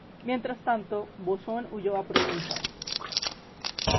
Mientras tanto, Bosón huyó a Provenza.